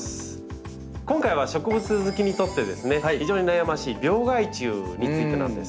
今回は植物好きにとってですね非常に悩ましい病害虫についてなんです。